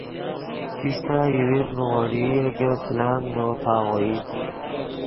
کیستہ یوویر نیغوڑئی اے گے پلانگ نے وف آغوئی